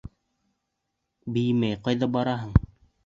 Бейемәй ҡайҙа бараһың?